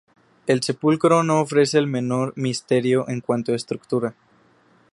El sepulcro no ofrece el menor misterio en cuanto a estructura.